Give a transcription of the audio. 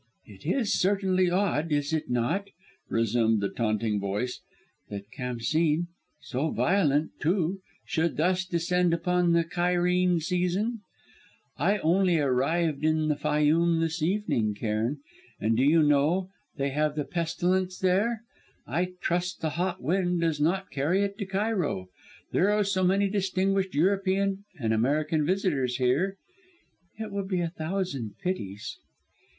"It is certainly odd, is it not," resumed the taunting voice, "that Khamsîn, so violent, too, should thus descend upon the Cairene season? I only arrived from the Fayûm this evening, Cairn, and, do you know, they have the pestilence there! I trust the hot wind does not carry it to Cairo; there are so many distinguished European and American visitors here. It would be a thousand pities!"